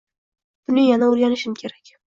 buni yana oʻrganishim kerak.